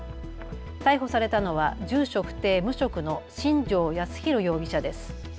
逮捕されたのは住所不定、無職の新城康浩容疑者です。